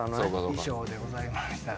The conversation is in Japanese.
衣装でございました。